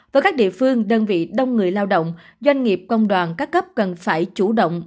với các địa phương đơn vị đông người lao động doanh nghiệp công đoàn các cấp cần phải chủ động